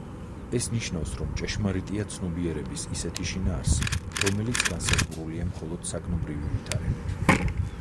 ეს ნიშნავს, რომ ჭეშმარიტია ცნობიერების ისეთი შინაარსი, რომელიც განსაზღვრულია მხოლოდ საგნობრივი ვითარებით.